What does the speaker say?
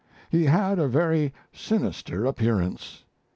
He had a very sinister appearance.